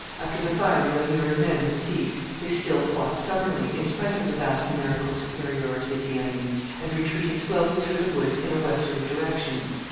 After the firing of Muir's men had ceased, they still fought stubbornly, in spite of the vast numerical superiority of the enemy, and retreated slowly through the woods in a westerly direction.